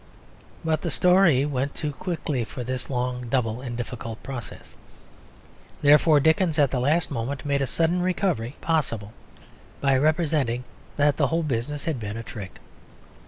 But the story went too quickly for this long, double, and difficult process; therefore Dickens at the last moment made a sudden recovery possible by representing that the whole business had been a trick.